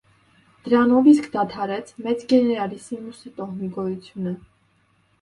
Դրանով իսկ դադարեց մեծ գեներալիսիմուսի տոհմի գոյությունը։